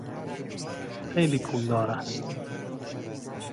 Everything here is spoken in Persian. خیلی پولدار است.